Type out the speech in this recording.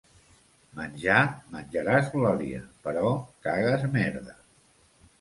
Menjar, menjaràs glòria, però cagues merda.